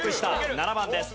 ７番です。